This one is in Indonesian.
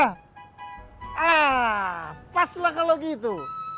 ah pas lah kalau gitu